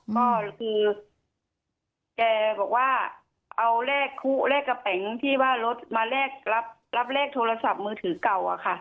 เพราะคือแกบอกว่าเอาแรกกระเป๋งที่รถมารับแรกโทรศัพท์มือถือเก่าค่ะ